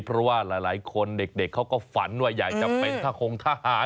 เพราะว่าหลายคนเด็กเขาก็ฝันว่าอยากจะเป็นทะคงทหาร